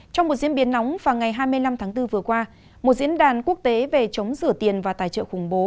trong một diễn biến nóng vào ngày hai mươi năm tháng bốn vừa qua một diễn đàn quốc tế về chống rửa tiền và tài trợ khủng bố